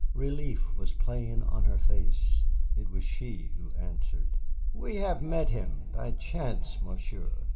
Relief was plain on her face. It was she who answered. "We have met him by chance, Monsieur.